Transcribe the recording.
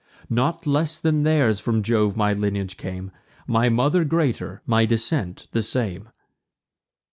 Not less than theirs from Jove my lineage came; My mother greater, my descent the same."